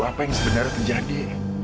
apa yang sebenarnya terjadi